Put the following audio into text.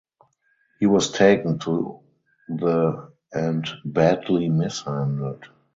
He was taken to the and "badly mishandled".